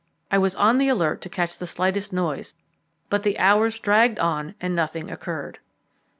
I was on the alert to catch the slightest noise, but the hours dragged on and nothing occurred.